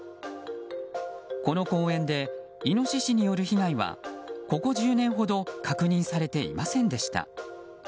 この公園でイノシシによる被害はここ１０年ほど確認されていませんでした。